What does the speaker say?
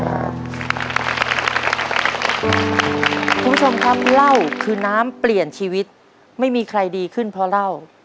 คุณผู้ชมครับเหล้าคือน้ำเปลี่ยนชีวิตไม่มีใครดีขึ้นเพราะเหล้า